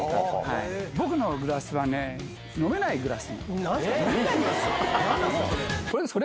僕のグラスはね、飲めないグラス。